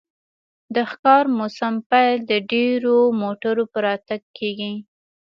د ښکار موسم پیل د ډیرو موټرو په راتګ کیږي